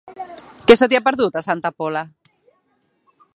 Què se t'hi ha perdut, a Santa Pola?